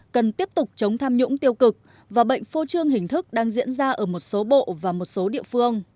cần tiếp tục chống tham nhũng tiêu cực và bệnh phô trương hình thức đang diễn ra ở một số bộ và một số địa phương